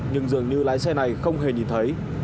nhưng dường như lái xe này không hề nhìn thấy